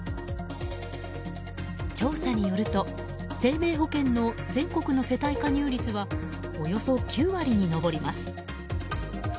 調査によると、生命保険の全国の世帯加入率はおよそ９割に上ります。